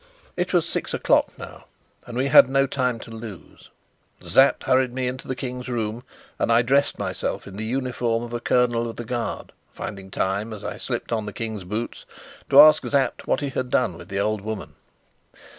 It was six o'clock now, and we had no time to lose. Sapt hurried me into the King's room, and I dressed myself in the uniform of a colonel of the Guard, finding time as I slipped on the King's boots to ask Sapt what he had done with the old woman.